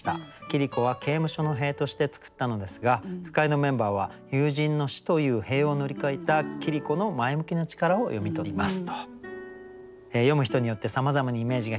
桐子は刑務所の塀として作ったのですが句会のメンバーは友人の死という塀を乗り越えた桐子の前向きな力を読み取ります」。